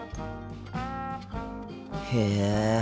へえ。